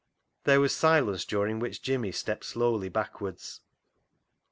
There was silence, during which Jimmy stepped slowly backwards.